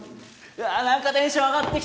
うわなんかテンション上がってきた！